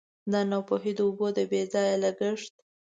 دا ناپوهي د اوبو د بې ځایه لګښت.